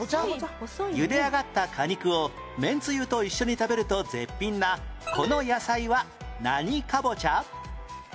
ゆで上がった果肉をめんつゆと一緒に食べると絶品なこの野菜は何かぼちゃ？